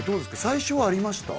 最初はありました？